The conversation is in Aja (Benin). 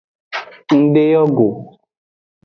Ndeyo go.